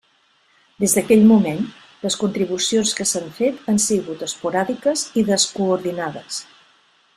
Des d'aquell moment, les contribucions que s'han fet han sigut esporàdiques i descoordinades.